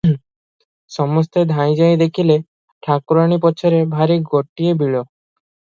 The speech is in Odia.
ସମସ୍ତେ ଧାଇଁଯାଇ ଦେଖିଲେ, ଠାକୁରାଣୀ ପଛରେ ଭାରି ଗୋଟିଏ ବିଳ ।